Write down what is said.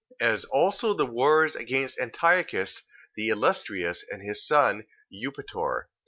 As also the wars against Antiochus, the Illustrious, and his son, Eupator: 2:22.